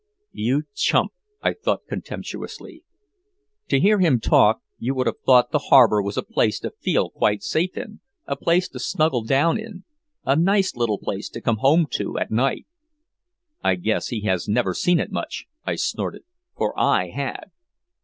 "You chump," I thought contemptuously. To hear him talk you would have thought the harbor was a place to feel quite safe in, a place to snuggle down in, a nice little place to come home to at night. "I guess he has never seen it much," I snorted. For I had.